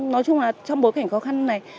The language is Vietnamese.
nói chung là trong bối cảnh khó khăn này